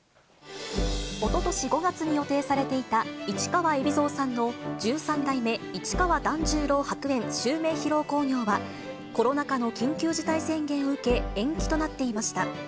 おととし５月に予定されていた市川海老蔵さんの十三代目市川團十郎白猿襲名披露興行はコロナ禍の緊急事態宣言を受け、延期となっていました。